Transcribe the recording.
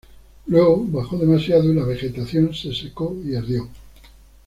Luego bajó demasiado, y la vegetación se secó y ardió.